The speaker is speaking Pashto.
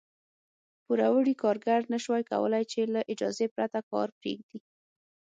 پوروړي کارګر نه شوای کولای چې له اجازې پرته کار پرېږدي.